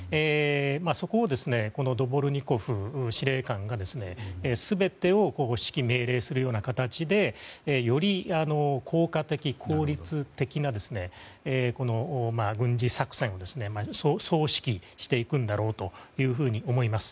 そこをドボルニコフ司令官が全てを指揮命令するような形でより効果的、効率的な軍事作戦を総指揮していくんだろうと思います。